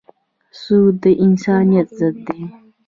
سود د انسانیت ضد دی.